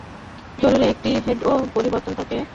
জিরুর একটি হেডও বিরতির আগে পোস্টের একটু বাইরে দিয়ে চলে যায়।